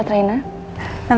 nanti saya selamatkan bu